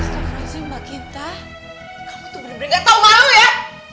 astaghfirullahaladzim mbak kinta kamu tuh bener bener gak tau malu ya